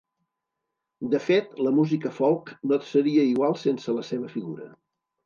De fet, la música folk no seria igual sense la seva figura.